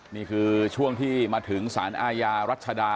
นี่คือช่วงที่มาถึงสารอาญารัชดา